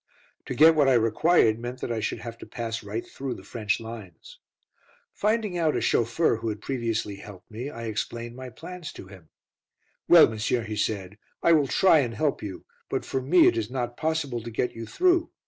To get what I required meant that I should have to pass right through the French lines. Finding out a chauffeur who had previously helped me, I explained my plans to him. "Well, monsieur," he said, "I will try and help you, but for me it is not possible to get you through.